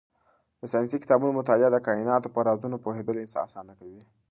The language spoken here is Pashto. د ساینسي کتابونو مطالعه د کایناتو په رازونو پوهېدل اسانه کوي.